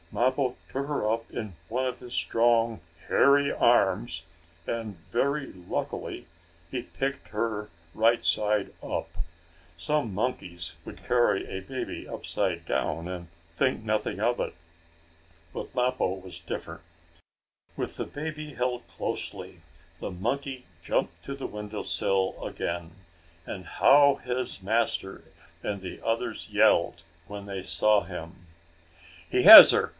Mappo took her up in one of his strong hairy arms, and, very luckily he picked her right side up. Some monkeys would carry a baby upside down, and think nothing of it. But Mappo was different. With the baby held closely, the monkey jumped to the window sill again, and how his master and the others yelled when they saw him! "He has her!